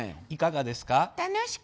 いかがですか？